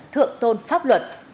thượng tôn pháp luật